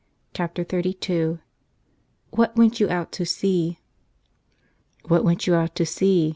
217 CHAPTER XXXII " WHAT WENT YOU OUT TO SEE?" "WHAT went you out to see?